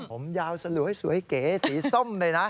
ผมยาวสลวยสวยเก๋สีส้มเลยนะ